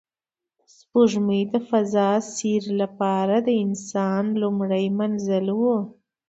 سپوږمۍ د فضایي سیر لپاره د انسان لومړی منزل و